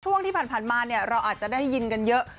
ช่วงที่ผ่านมาเนี่ยเราอาจจะได้ยินกันเยอะ